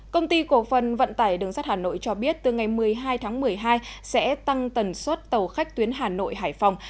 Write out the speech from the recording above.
công ty cổ phần vận tải đường sắt hà nội cho biết từ ngày một mươi hai tháng một mươi hai sẽ tăng tần suất tàu khách tuyến hà nội hải phòng